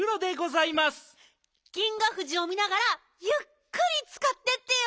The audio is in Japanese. フジを見ながらゆっくりつかってってよ。